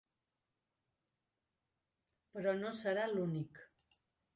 Però no serà l’únic.